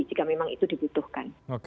jika memang itu dibutuhkan